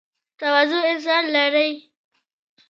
تواضع انسان لوړوي